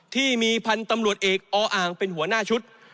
ที่มีพลตำรวจเอกออเป็นหัวหน้าชุด